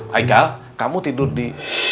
hai kal kamu tidur di